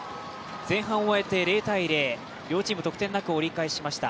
前半を終えて０−０、両チーム、得点がなく折り返しました。